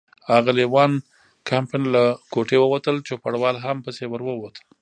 اغلې وان کمپن له کوټې ووتل، چوپړوال هم پسې ور ووت.